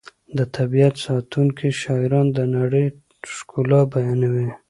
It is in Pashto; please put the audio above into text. د طبیعت ستایونکي شاعران د نړۍ ښکلا بیانوي.